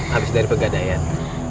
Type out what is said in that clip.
habis dari pegadayan